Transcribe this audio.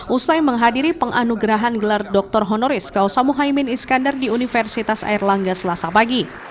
usai menghadiri penganugerahan gelar dr honoris kausamu haymin iskandar di universitas air langga selasa pagi